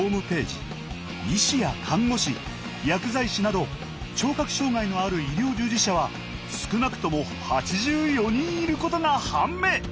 医師や看護師薬剤師など聴覚障害のある医療従事者は少なくとも８４人いることが判明！